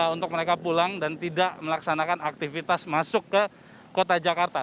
untuk mereka pulang dan tidak melaksanakan aktivitas masuk ke kota jakarta